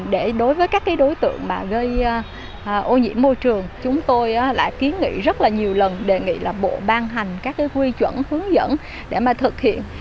đối với các đối tượng gây ổ nhiễm môi trường chúng tôi đã ký nghị rất nhiều lần đề nghị bộ ban hành các quy chuẩn hướng dẫn để thực hiện